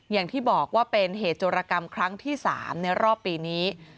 อย่างที่บอกว่าเป็นเหตุโจรกรรมครั้งที่๓ในรอบปีนี้